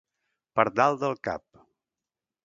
Per dalt del cap.